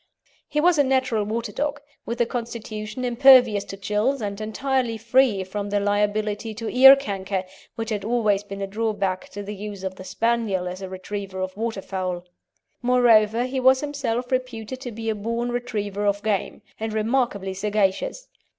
He was a natural water dog, with a constitution impervious to chills, and entirely free from the liability to ear canker, which had always been a drawback to the use of the Spaniel as a retriever of waterfowl. Moreover, he was himself reputed to be a born retriever of game, and remarkably sagacious.